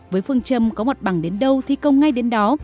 với phương châm có mặt bằng đến đâu thi công ngay đến đó